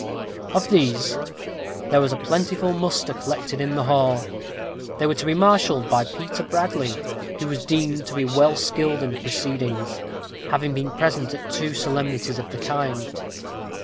Of these there was a plentiful muster collected in the hall; they were to be marshalled by Peter Bradley, who was deemed to be well skilled in the proceedings, having been present at two solemnities of the kind.